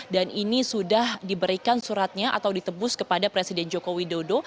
dan ini sudah diberikan suratnya atau ditebus kepada presiden joko widodo